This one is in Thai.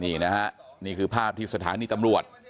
นี่นะฮะนี่คือภาพที่สถานีตำรวจ